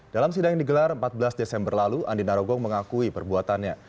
dalam sidang yang digelar empat belas desember lalu andi narogong mengakui perbuatannya